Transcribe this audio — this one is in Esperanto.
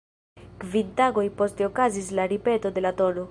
Kvin tagoj poste okazis la ripeto de la tn.